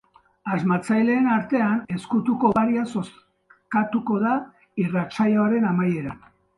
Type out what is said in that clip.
Asmatzaileen artean ezkutuko oparia zozkatuko da irratsaioaren amaieran.